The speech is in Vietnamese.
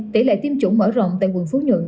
tỷ lệ tiêm chủng mở rộng tại quận phú nhuận